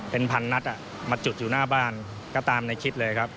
เป็นพันนัดมาจุดอยู่หน้าบ้านก็ตามในคลิปเลยครับ